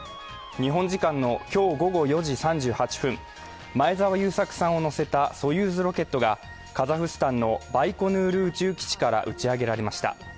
日本時間の今日午後４時３８分、前澤友作さんを乗せたソユーズロケットが、カザフスタンのバイコヌール宇宙基地から打ち上げられました。